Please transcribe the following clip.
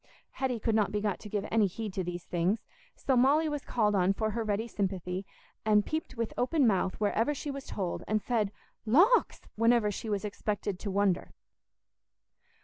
Hetty could not be got to give any heed to these things, so Molly was called on for her ready sympathy, and peeped with open mouth wherever she was told, and said "Lawks!" whenever she was expected to wonder.